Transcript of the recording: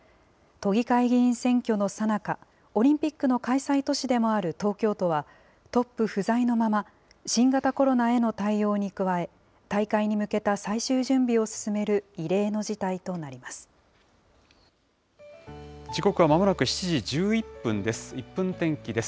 都議会議員選挙のさなか、オリンピックの開催都市でもある東京都は、トップ不在のまま、新型コロナへの対応に加え、大会に向けた最終準備を進める異例の事態となります。